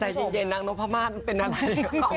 ใจเย็นนักน้องพระมาสเป็นอะไร